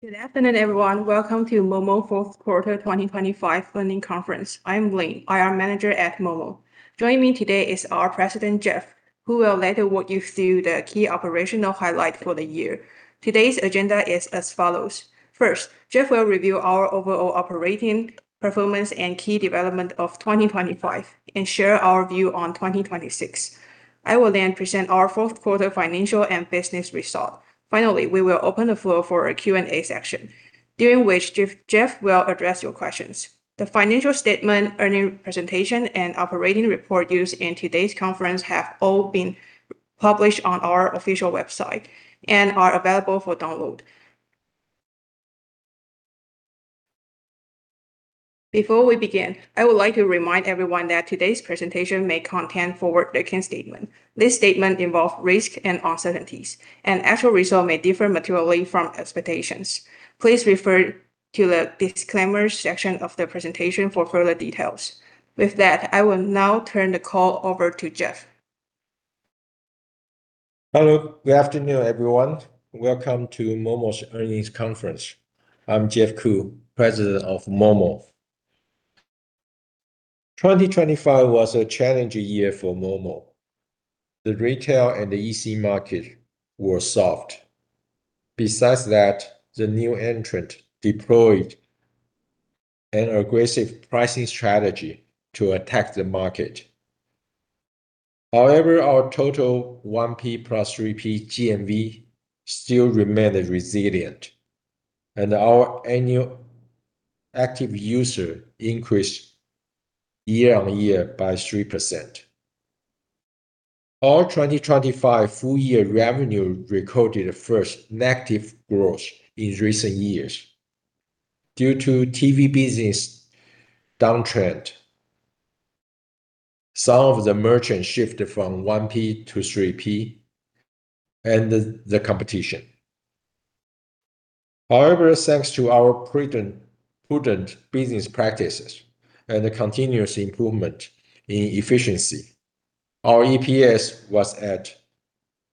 Good afternoon, everyone. Welcome to momo Fourth Quarter 2025 Earning Conference. I'm Liu, IR manager at momo. Joining me today is our President, Jeff, who will later walk you through the key operational highlight for the year. Today's agenda is as follows. First, Jeff will review our overall operating performance and key development of 2025 and share our view on 2026. I will present our fourth quarter financial and business result. Finally, we will open the floor for a Q&A session, during which Jeff will address your questions. The financial statement, earning presentation, and operating report used in today's conference have all been published on our official website and are available for download. Before we begin, I would like to remind everyone that today's presentation may contain forward-looking statement. This statement involve risk and uncertainties, actual result may differ materially from expectations. Please refer to the disclaimer section of the presentation for further details. With that, I will now turn the call over to Jeff. Hello, good afternoon, everyone. Welcome to momo's earnings conference. I'm Jeff Ku, President of momo. 2025 was a challenging year for momo. The retail and the EC market were soft. Besides that, the new entrant deployed an aggressive pricing strategy to attack the market. However, our total 1P plus 3P GMV still remained resilient, and our annual active user increased year on year by 3%. Our 2025 full year revenue recorded the first negative growth in recent years due to TV business downtrend, some of the merchants shifted from 1P to 3P, and the competition. However, thanks to our prudent business practices and the continuous improvement in efficiency, our EPS was at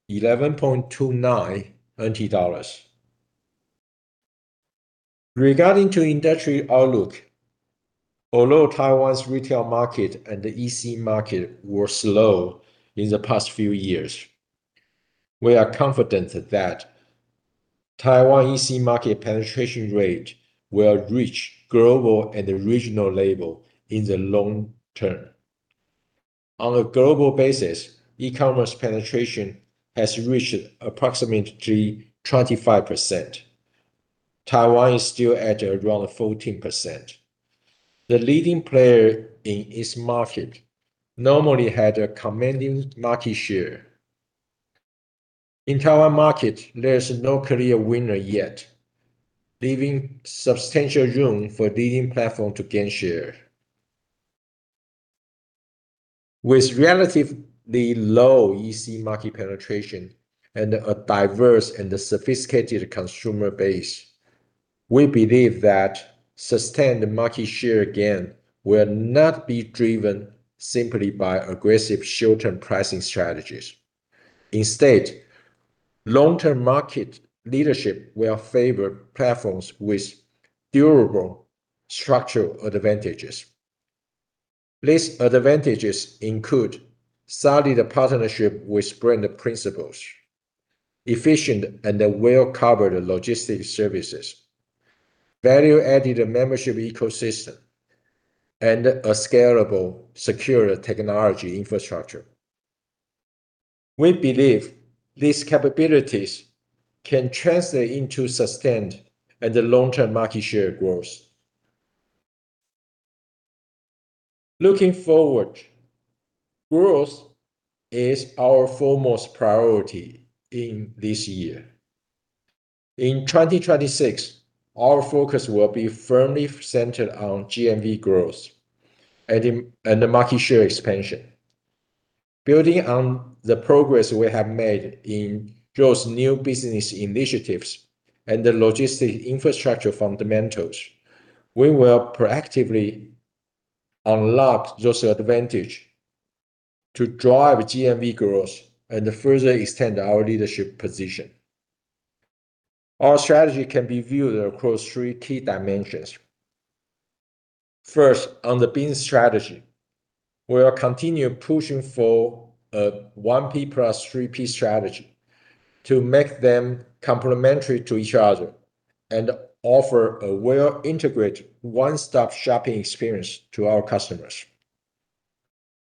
TWD 11.29. Regarding to industry outlook, although Taiwan's retail market and the EC market were slow in the past few years, we are confident that Taiwan EC market penetration rate will reach global and the regional level in the long term. On a global basis, e-commerce penetration has reached approximately 25%. Taiwan is still at around 14%. The leading player in its market normally had a commanding market share. In Taiwan market, there is no clear winner yet, leaving substantial room for leading platform to gain share. With relatively low EC market penetration and a diverse and a sophisticated consumer base, we believe that sustained market share gain will not be driven simply by aggressive short-term pricing strategies. Instead, long-term market leadership will favor platforms with durable structural advantages. These advantages include solid partnership with brand principals, efficient and well-covered logistic services, value-added membership ecosystem, and a scalable secure technology infrastructure. We believe these capabilities can translate into sustained and long-term market share growth. Looking forward, growth is our foremost priority in this year. In 2026, our focus will be firmly centered on GMV growth and market share expansion. Building on the progress we have made in those new business initiatives and the logistic infrastructure fundamentals, we will proactively unlock those advantage to drive GMV growth and further extend our leadership position. Our strategy can be viewed across three key dimensions. First, on the business strategy, we are continue pushing for a 1P plus 3P strategy to make them complementary to each other and offer a well-integrated one-stop shopping experience to our customers.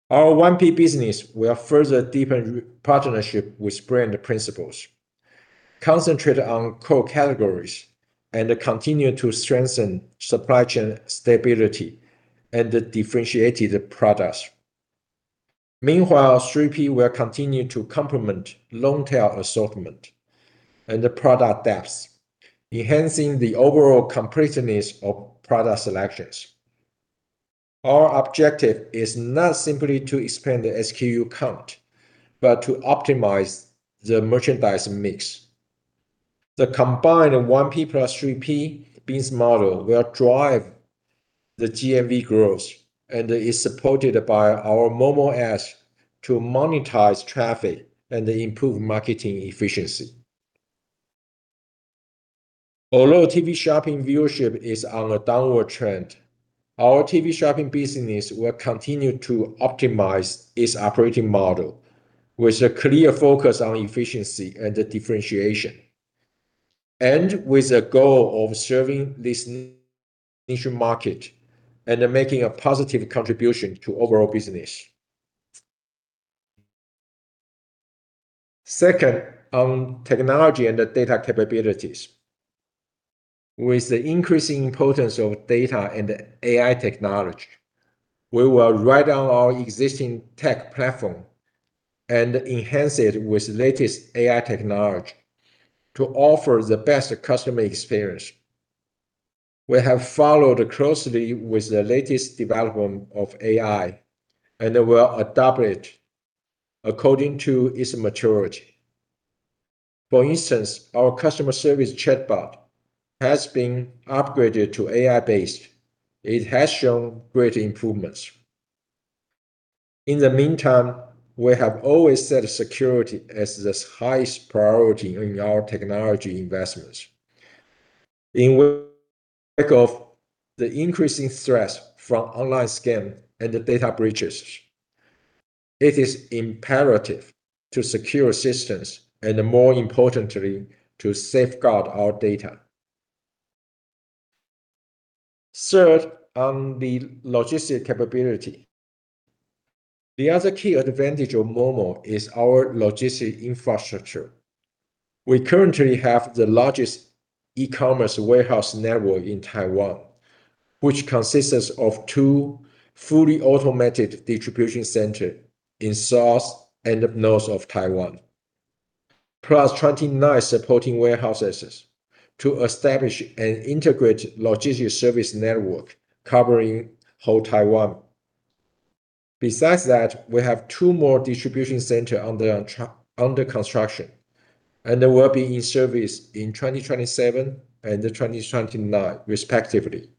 Our 1P business will further deepen partnership with brand principals, concentrate on core categories, and continue to strengthen supply chain stability and the differentiated products. Meanwhile, 3P will continue to complement long-tail assortment and the product depths, enhancing the overall completeness of product selections. Our objective is not simply to expand the SKU count, but to optimize the merchandise mix. The combined 1P plus 3P business model will drive the GMV growth and is supported by our momo Ads to monetize traffic and improve marketing efficiency. Although TV shopping viewership is on a downward trend, our TV shopping business will continue to optimize its operating model with a clear focus on efficiency and differentiation, and with the goal of serving this niche market and making a positive contribution to overall business. Second, technology and data capabilities. With the increasing importance of data and AI technology, we will write down our existing tech platform and enhance it with latest AI technology to offer the best customer experience. We have followed closely with the latest development of AI, and we'll adopt it according to its maturity. For instance, our customer service chatbot has been upgraded to AI-based. It has shown great improvements. In the meantime, we have always set security as the highest priority in our technology investments. In wake of the increasing threats from online scam and the data breaches, it is imperative to secure systems, and more importantly, to safeguard our data. Third, on the logistic capability. The other key advantage of momo is our logistic infrastructure. We currently have the largest e-commerce warehouse network in Taiwan, which consists of two fully automated distribution center in south and north of Taiwan, plus 29 supporting warehouses to establish an integrated logistics service network covering whole Taiwan. We have two more distribution center under construction, and they will be in service in 2027 and 2029 respectively.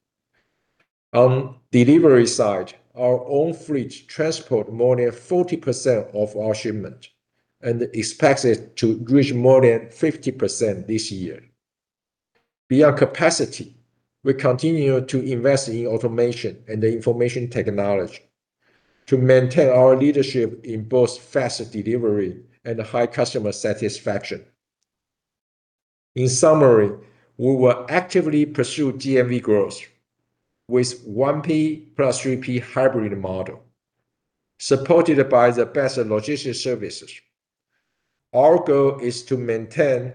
On delivery side, our own fleet transport more than 40% of our shipment and expects it to reach more than 50% this year. Beyond capacity, we continue to invest in automation and the information technology to maintain our leadership in both fast delivery and high customer satisfaction. In summary, we will actively pursue GMV growth with 1P plus 3P hybrid model supported by the best logistics services. Our goal is to maintain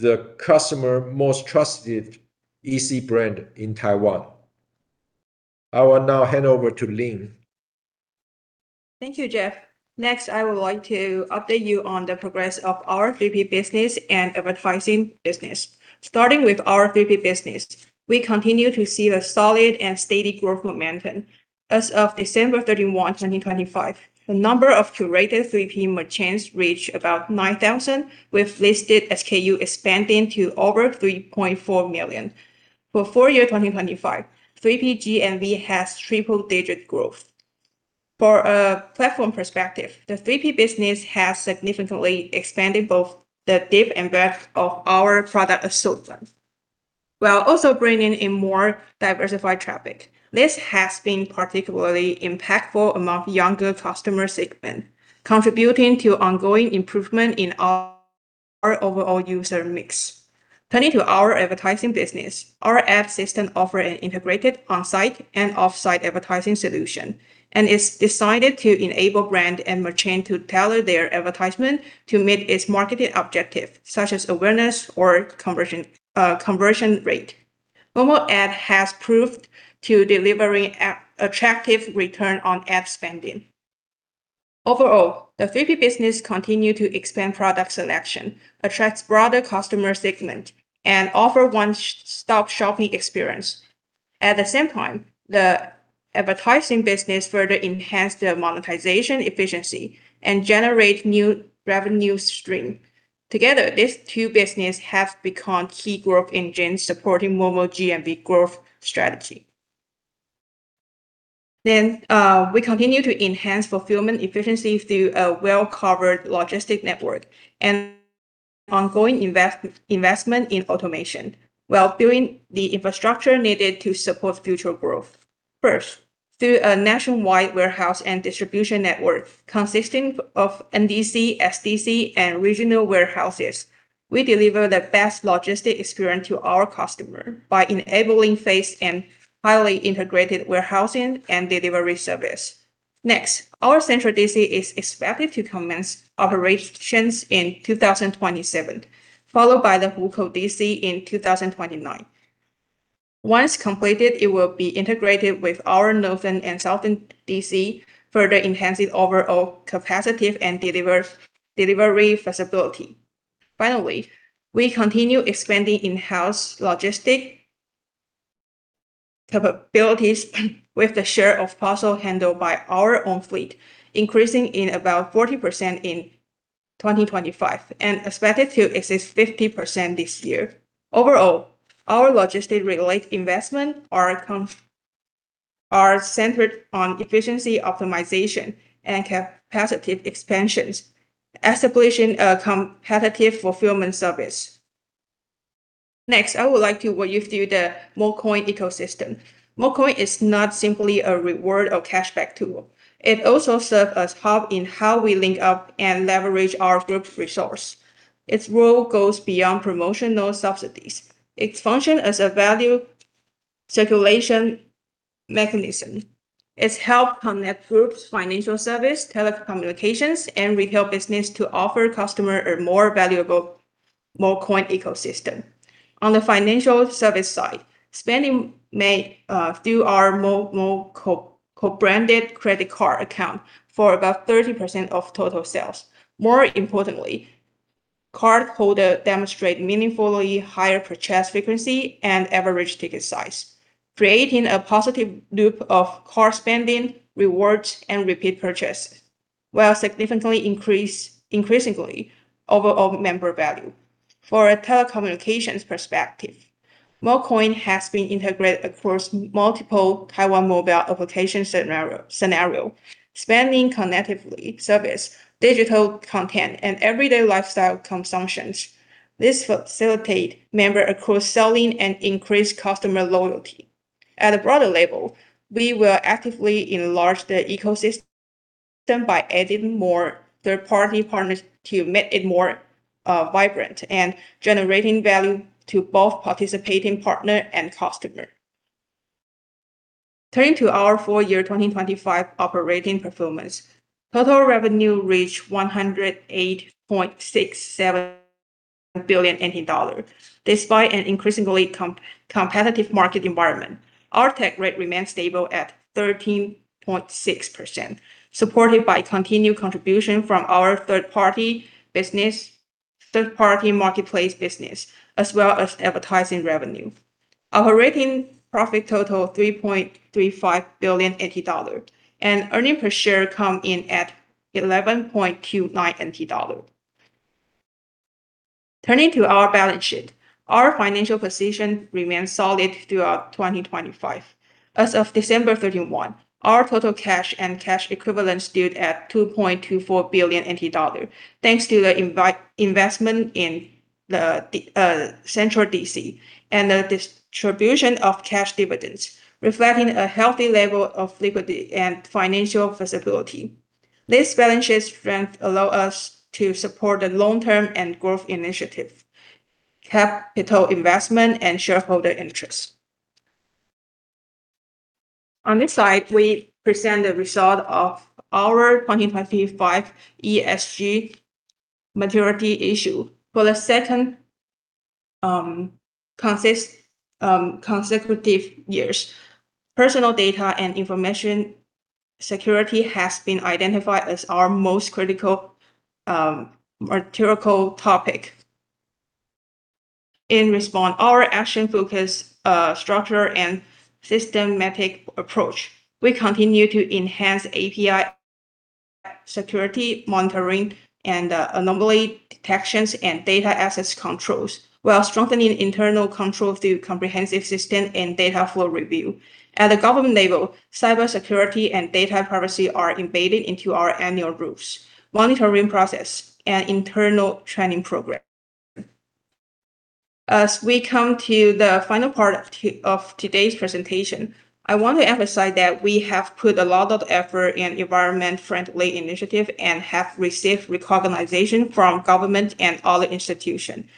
the customer most trusted easy brand in Taiwan. I will now hand over to Liu. I would like to update you on the progress of our 3P business and advertising business. Starting with our 3P business, we continue to see the solid and steady growth momentum. As of December 31, 2025, the number of curated 3P merchants reached about 9,000 with listed SKU expanding to over 3.4 million. For full year 2025, 3PGMV has triple-digit growth. For a platform perspective, the 3P business has significantly expanded both the depth and breadth of our product assortment, while also bringing in more diversified traffic. This has been particularly impactful among younger customer segment, contributing to ongoing improvement in our overall user mix. Turning to our advertising business, our app system offer an integrated on-site and off-site advertising solution, and is designed to enable brand and merchant to tailor their advertisement to meet its marketing objective, such as awareness or conversion rate. momo Ads has proved to delivering a attractive return on ad spending. Overall, the 3P business continue to expand product selection, attracts broader customer segment, and offer one-stop shopping experience. At the same time, the advertising business further enhance the monetization efficiency and generate new revenue stream. Together, these two business have become key growth engines supporting momo GMV growth strategy. We continue to enhance fulfillment efficiency through a well-covered logistic network and ongoing investment in automation while building the infrastructure needed to support future growth. Through a nationwide warehouse and distribution network consisting of NDC, SDC, and regional warehouses, we deliver the best logistics experience to our customer by enabling fast and highly integrated warehousing and delivery service. Our central DC is expected to commence operations in 2027, followed by the Hukuo DC in 2029. Once completed, it will be integrated with our northern and southern DC, further enhancing overall capacity and delivery flexibility. We continue expanding in-house logistics capabilities with the share of parcel handled by our own fleet, increasing in about 40% in 2025, and expected to exceed 50% this year. Our logistics-related investment are centered on efficiency optimization and capacity expansions, establishing a competitive fulfillment service. I would like to walk you through the momo Coins ecosystem. momo Coins is not simply a reward or cashback tool. It also serve as hub in how we link up and leverage our group resource. Its role goes beyond promotional subsidies. It function as a value circulation mechanism. It's helped connect groups, financial service, telecommunications, and retail business to offer customer a more valuable momo Coins ecosystem. On the financial service side, spending made through our momo co-branded credit card account for about 30% of total sales. More importantly, cardholder demonstrate meaningfully higher purchase frequency and average ticket size, creating a positive loop of card spending, rewards, and repeat purchase, while significantly increasingly overall member value. For a telecommunications perspective, momo Coins has been integrated across multiple Taiwan Mobile application scenario, spanning connectivity service, digital content, and everyday lifestyle consumptions. This facilitate member across selling and increase customer loyalty. At a broader level, we will actively enlarge the ecosystem by adding more third-party partners to make it more vibrant and generating value to both participating partner and customer. Turning to our full year 2025 operating performance, total revenue reached 108.67 billion NT dollar, despite an increasingly competitive market environment. Our take rate remained stable at 13.6%, supported by continued contribution from our third-party marketplace business, as well as advertising revenue. Operating profit total 3.35 billion NT dollars, and earning per share come in at 11.29 NT dollars. Turning to our balance sheet, our financial position remained solid throughout 2025. As of December 31, our total cash and cash equivalents stood at 2.24 billion NT dollar, thanks to the investment in the Central DC and the distribution of cash dividends, reflecting a healthy level of liquidity and financial flexibility. This balance sheet strength allow us to support the long term and growth initiative, capital investment, and shareholder interest. On this slide, we present the result of our 2025 ESG maturity issue. For the second consecutive years, personal data and information security has been identified as our most critical topic. In response, our action focus, structure, and systematic approach, we continue to enhance API security monitoring and anomaly detections and data access controls, while strengthening internal control through comprehensive system and data flow review. At the government level, cybersecurity and data privacy are embedded into our annual groups, monitoring process, and internal training program. As we come to the final part of today's presentation, I want to emphasize that we have put a lot of effort in environment-friendly initiative and have received recognition from government and other institution.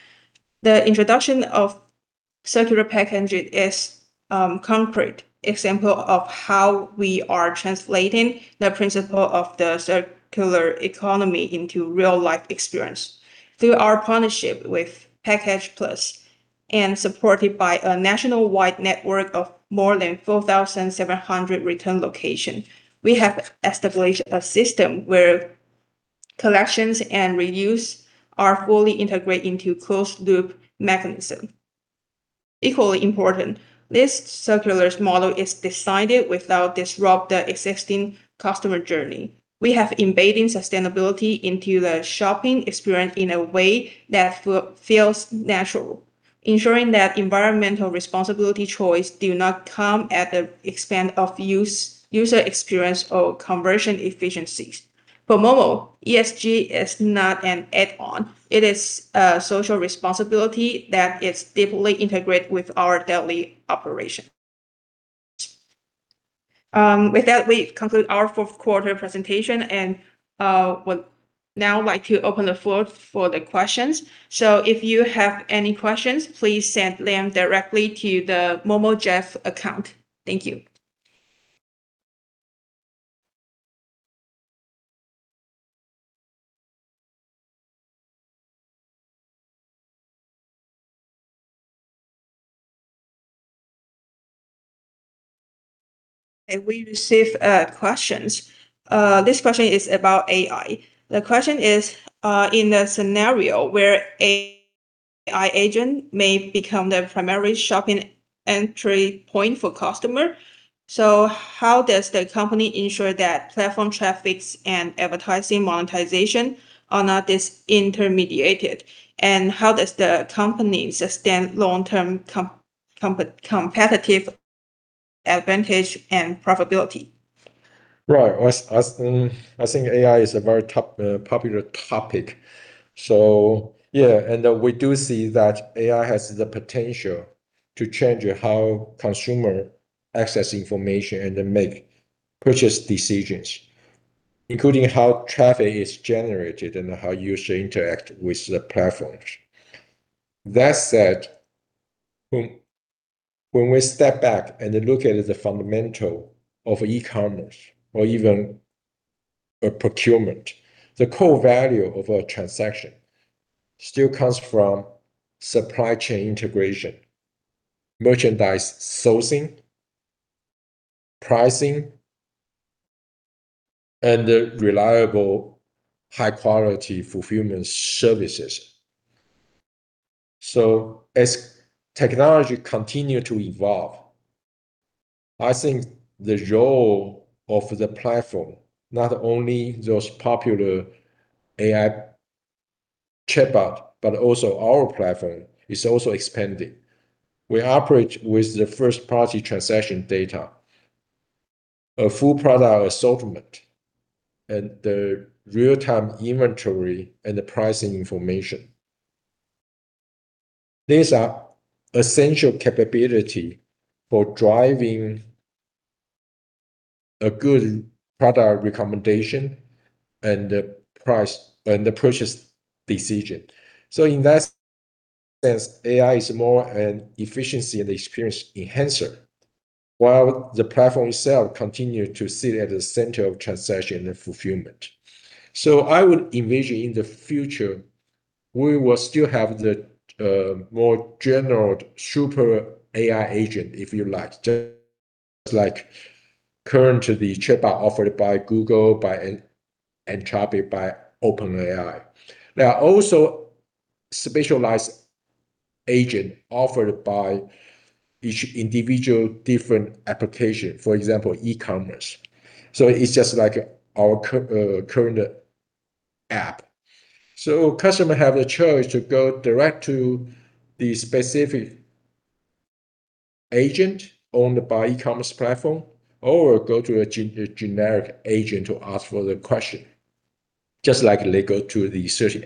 The introduction of circular packaging is concrete example of how we are translating the principle of the circular economy into real-life experience. Through our partnership with PackAge+ and supported by a nationwide network of more than 4,700 return location, we have established a system where collections and reuse are fully integrated into closed-loop mechanism. Equally important, this circular's model is designed without disrupt the existing customer journey. We have embedded sustainability into the shopping experience in a way that feels natural, ensuring that environmental responsibility choice do not come at the expense of user experience or conversion efficiencies. For momo, ESG is not an add-on. It is a social responsibility that is deeply integrated with our daily operation. With that, we conclude our fourth quarter presentation. Would now like to open the floor for the questions. If you have any questions, please send them directly to the momo Jeff account. Thank you. We receive questions. This question is about AI. The question is, in a scenario where AI agent may become the primary shopping entry point for customer. How does the company ensure that platform traffics and advertising monetization are not disintermediated? How does the company sustain long-term competitive advantage and profitability? Right. I think AI is a very popular topic. Yeah. We do see that AI has the potential to change how consumer access information and make purchase decisions, including how traffic is generated and how user interact with the platforms. That said, when we step back and look at the fundamental of e-commerce or even a procurement, the core value of a transaction still comes from supply chain integration, merchandise sourcing, pricing, and reliable high-quality fulfillment services. As technology continue to evolve, I think the role of the platform, not only those popular AI chatbot, but also our platform, is also expanding. We operate with the first-party transaction data, a full product assortment, and the real-time inventory and the pricing information. These are essential capability for driving a good product recommendation and the purchase decision. In that sense, AI is more an efficiency and experience enhancer, while the platform itself continue to sit at the center of transaction and fulfillment. I would envision in the future, we will still have the more general super AI agent, if you like, just like currently the chatbot offered by Google, by Anthropic, by OpenAI. There are also specialized agent offered by each individual different application, for example, e-commerce. It's just like our current app. Customer have the choice to go direct to the specific agent owned by e-commerce platform or go to a generic agent to ask for the question, just like they go to the search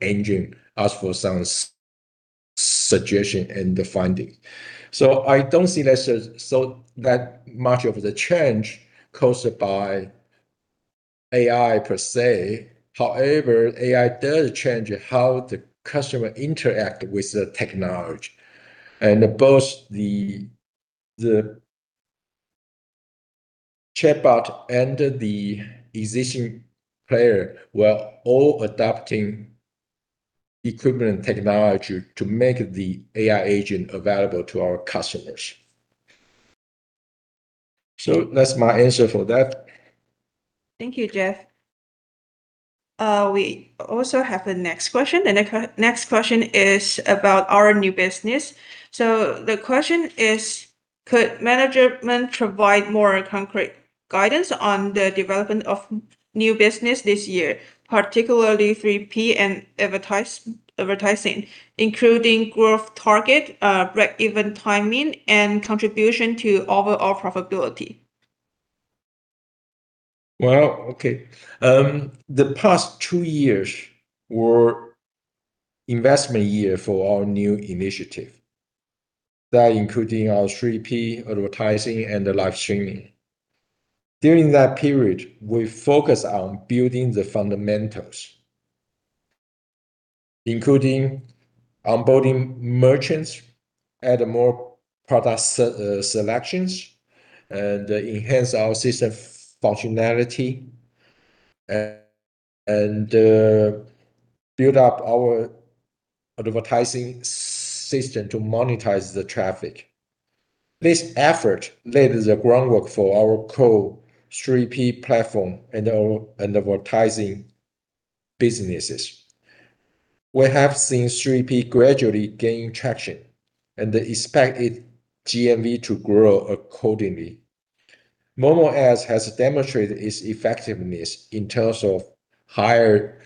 engine, ask for some suggestion and the finding. I don't see that as so, that much of the change caused by AI per se. However, AI does change how the customer interact with the technology and both the chatbot and the existing player were all adapting equivalent technology to make the AI agent available to our customers. That's my answer for that. Thank you, Jeff. We also have the next question, and the next question is about our new business. The question is: Could management provide more concrete guidance on the development of new business this year, particularly 3P and advertising, including growth target, break-even timing, and contribution to overall profitability? Well, okay. The past two years were investment year for our new initiative. That including our 3P advertising and the live streaming. During that period, we focus on building the fundamentals, including onboarding merchants, add more product selections, and enhance our system functionality, and build up our advertising system to monetize the traffic. This effort laid the groundwork for our core 3P platform and our advertising businesses. We have seen 3P gradually gaining traction and expect its GMV to grow accordingly. momo Ads has demonstrated its effectiveness in terms of higher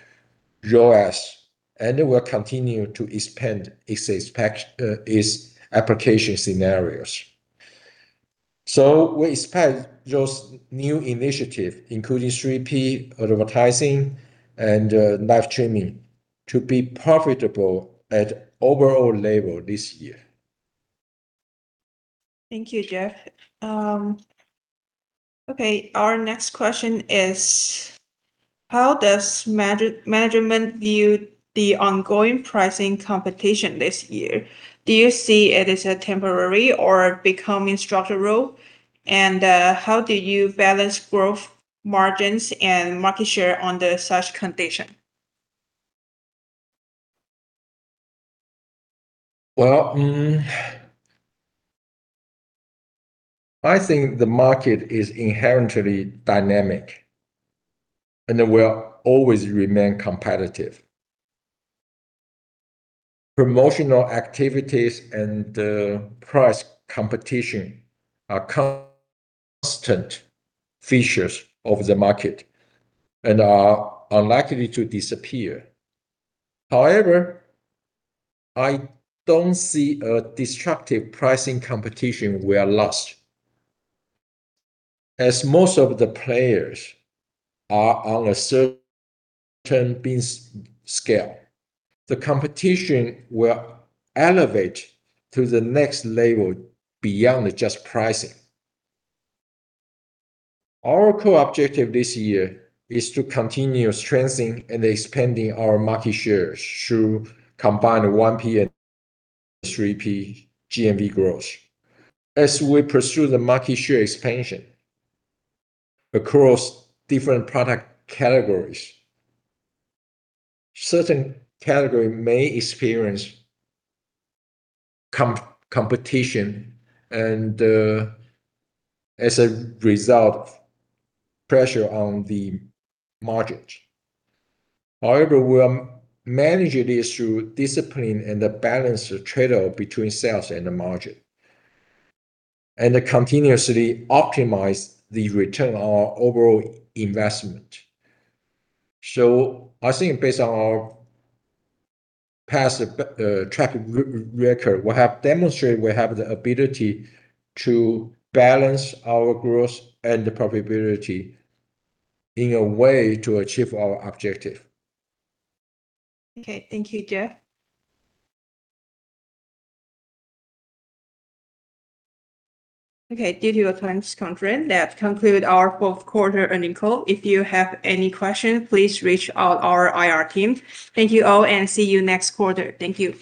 ROAS, and we will continue to expand its application scenarios. We expect those new initiative, including 3P advertising and live streaming, to be profitable at overall level this year. Thank you, Jeff. Okay. Our next question is: How does management view the ongoing pricing competition this year? Do you see it as a temporary or becoming structural? How do you balance growth margins and market share under such condition? Well, I think the market is inherently dynamic, and it will always remain competitive. Promotional activities and price competition are constant features of the market and are unlikely to disappear. However, I don't see a destructive pricing competition where lost. As most of the players are on a certain business scale, the competition will elevate to the next level beyond just pricing. Our core objective this year is to continue strengthening and expanding our market shares through combined 1P and 3P GMV growth. As we pursue the market share expansion across different product categories, certain category may experience competition and, as a result, pressure on the margins. However, we manage this through discipline and the balance of trade-off between sales and the margin, and continuously optimize the return on overall investment. I think based on our past, track record, we have demonstrated we have the ability to balance our growth and profitability in a way to achieve our objective. Okay. Thank you, Jeff. Okay, due to a time constraint, that conclude our fourth quarter earnings call. If you have any question, please reach out our IR team. Thank you all, and see you next quarter. Thank you.